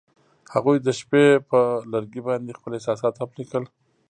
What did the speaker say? هغوی د شپه پر لرګي باندې خپل احساسات هم لیکل.